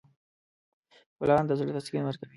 ګلان د زړه تسکین ورکوي.